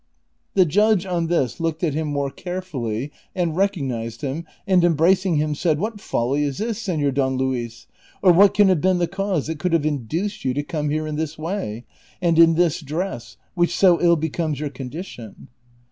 The judge on this looked at him more carefully and recog nized him, and embracing him said, " What folly is this, Sehor Don Luis, or what can have been the cause that could have induced you to come here in this way, and in this dress, which so ill becomes your condition